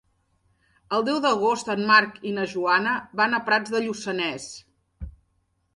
El deu d'agost en Marc i na Joana van a Prats de Lluçanès.